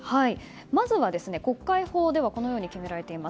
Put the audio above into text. まずは国会法ではこのように決められています。